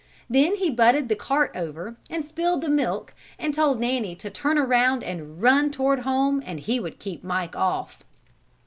Then he butted the cart over and spilled the milk and told Nanny to turn around and run toward home and he would keep Mike off.